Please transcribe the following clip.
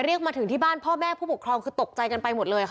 มาถึงที่บ้านพ่อแม่ผู้ปกครองคือตกใจกันไปหมดเลยค่ะ